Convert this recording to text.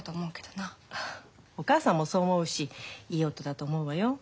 お母さんもそう思うしいい夫だと思うわよ。